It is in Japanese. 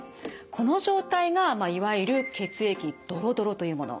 この状態がいわゆる血液どろどろというもの。